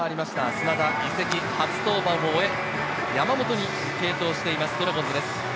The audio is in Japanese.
砂田、移籍初登板を終え、山本に継投しています、ドラゴンズです。